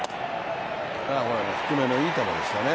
低めのいい球でしたね。